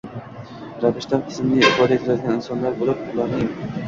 ravishda tizimli ifoda etadigan insonlar bo‘lib. Ularning